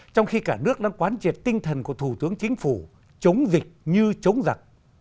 trong khi cả nước đang quán triệt tinh thần của thủ tướng chính phủ chống dịch như chống giặc